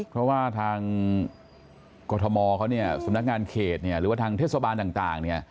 เพราะว่าทางกรทมเขาเนี่ยสำนักงานเขตหรือว่าทางเทศบาลต่าง